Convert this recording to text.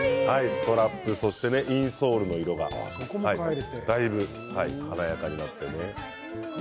ストラップそしてインソールの色が変わって華やかになりました。